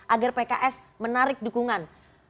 agar pks menarik dukungan